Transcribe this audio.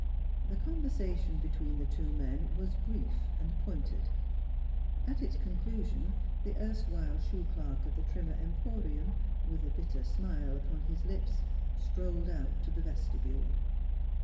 The conversation between the two men was brief and pointed; at its conclu sion the erstwhile shoe clerk of the Trimmer Em porium, with a bitter smile upon his lips, strolled out to the vestibule.